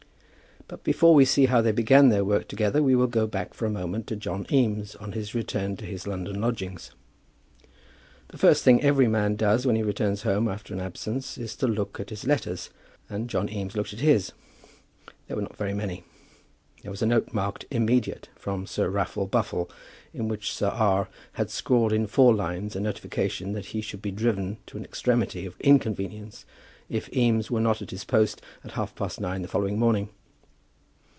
But before we see how they began their work together, we will go back for a moment to John Eames on his return to his London lodgings. The first thing every man does when he returns home after an absence, is to look at his letters, and John Eames looked at his. There were not very many. There was a note marked immediate, from Sir Raffle Buffle, in which Sir R. had scrawled in four lines a notification that he should be driven to an extremity of inconvenience if Eames were not at his post at half past nine on the following morning.